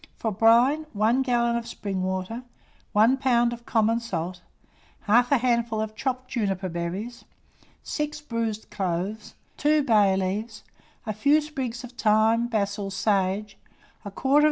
For brine, 1 gallon of spring water, 1 lb. of common salt, 1/2 handful of chopped juniper berries, 6 bruised cloves, 2 bay leaves, a few sprigs of thyme, basil, sage, 1/4 oz.